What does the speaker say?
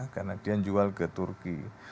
karena dia jual ke turki